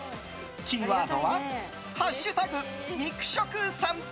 キーワードは「＃肉食さんぽ」。